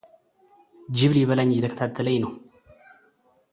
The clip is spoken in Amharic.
ጅብ ሊበላኝ እየተከታተለኝ ነው፡፡